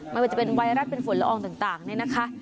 ไม่ว่าจะเป็นไวรัสเป็นฝุ่นละอองต่างเนี่ยนะคะ